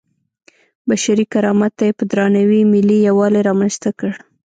بشري کرامت ته یې په درناوي ملي یووالی رامنځته کړی.